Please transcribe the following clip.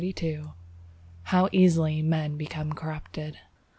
—_How easily Men become corrupted.